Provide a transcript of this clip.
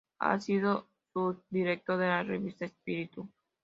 Ha sido subdirector de la Revista Espíritu.